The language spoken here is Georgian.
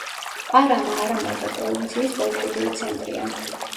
პარანა არა მარტო პროვინციის პოლიტიკური ცენტრია.